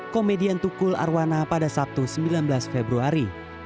komedian tukul arwana pada sabtu sembilan belas februari